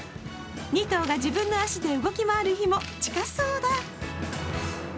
２頭が自分の足で動き回る日も近そうだ。